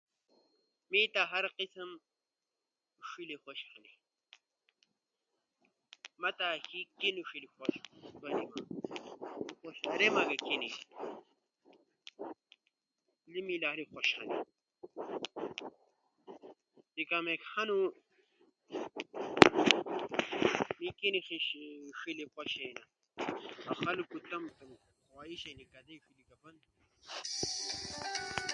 می تا ہر قسم ݜیلے خوش ہنی۔ ما تا آسو کیلے ݜیلے خوش ہنی۔ کوشاریما بیچیلی، انا می لالی خوش ہنی۔ سی کامیک ہنو می کیلے ݜیلے خوش تھیما، اؤ خلقو تمو خواہش کے کدئی ݜیلے کفن بینو۔